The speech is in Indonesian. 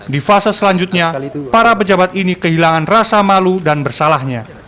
di fase selanjutnya para pejabat ini kehilangan rasa malu dan bersalahnya